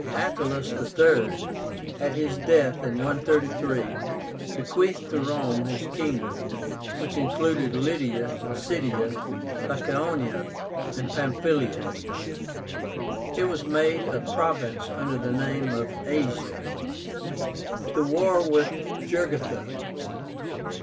Attalus III., at his death in 133, bequeathed to Rome his kingdom, which included Lydia, Pisidia, Lycaonia, and Pamphylia. It was made a province under the name of ASIA. THE WAR WITH JUGURTHA.